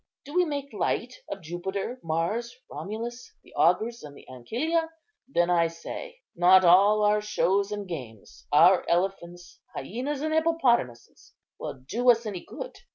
do we make light of Jupiter, Mars, Romulus, the augurs, and the ancilia? then I say, not all our shows and games, our elephants, hyænas, and hippopotamuses, will do us any good.